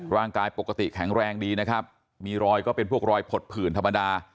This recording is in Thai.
ร่างกายปกติแข็งแรงดีนะครับมีรอยก็เป็นพวกรอยผดผื่นธรรมดา